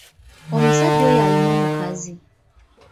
Omusajja oyo alina omukazi?